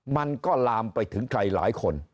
มันก็ลามไปถึงใครหลายคน